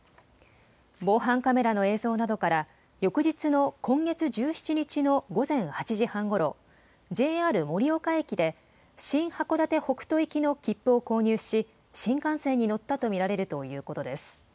防犯カメラの映像などから翌日の今月１７日の午前８時半ごろ、ＪＲ盛岡駅で新函館北斗行きの切符を購入し新幹線に乗ったと見られるということです。